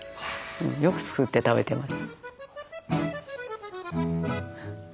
よく作って食べてます。